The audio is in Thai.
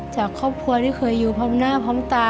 จากครอบครัวที่เคยอยู่พร้อมหน้าพร้อมตา